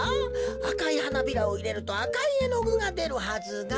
あかいはなびらをいれるとあかいえのぐがでるはずが。